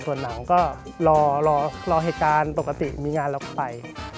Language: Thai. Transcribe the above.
ส่วนหนังก็รอเหตุการณ์ปกติมีงานเราก็ไป